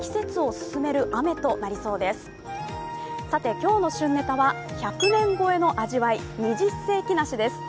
今日の旬ネタは１００年超えの味わい二十世紀梨です。